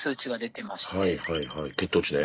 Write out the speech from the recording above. はいはいはい血糖値ね。